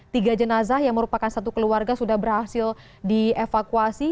tiga jenazah yang merupakan satu keluarga sudah berhasil dievakuasi